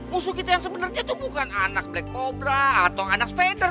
musuh kita yang sebenarnya tuh bukan anak black cobra atau anak spider